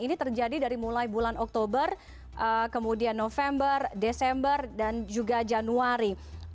ini terjadi dari mulai bulan oktober kemudian november desember dan juga januari